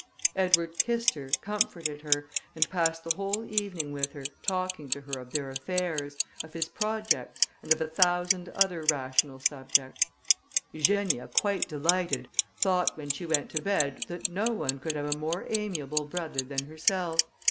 Edward kissed her, comforted her, and passed the whole evening with her, talking to her of their affairs, of his projects, and of a thousand other rational subjects. Eugenia, quite delighted, thought, when she went to bed, that no one could have a more amiable brother than herself.